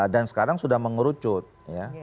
dan sekarang sudah mengerucut ya